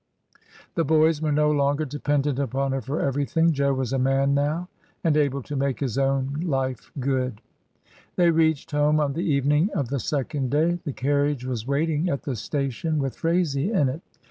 The boys were no longer dependent upon her for everything. Jo was a man now and able to make his own life good. They reached home on the evening of the second day. The carriage was waiting at the station with Phraisie in it.